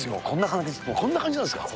こんな感じです。